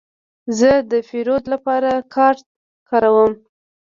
زه د پیرود لپاره کارت کاروم.